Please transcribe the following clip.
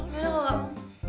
gimana kalau gak